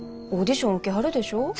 オーディション受けはるでしょ？